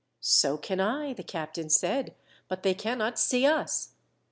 "So can I," the captain said, "but they cannot see us.